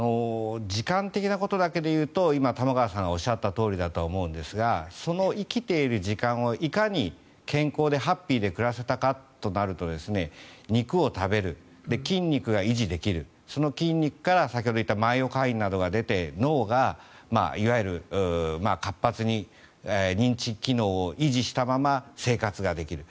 時間的なことだけで言うと今、玉川さんがおっしゃったとおりだと思うんですがその生きている時間をいかに健康でハッピーで暮らせたかとなると肉を食べる、筋肉が維持できるその筋肉から、先ほど言ったマイオカインなどが出て脳がいわゆる活発に認知機能を維持したまま生活ができる。